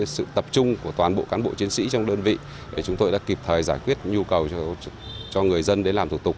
sự tập trung của toàn bộ cán bộ chiến sĩ trong đơn vị để chúng tôi đã kịp thời giải quyết nhu cầu cho người dân đến làm thủ tục